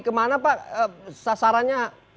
kemana pak sasarannya